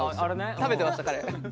食べてました彼。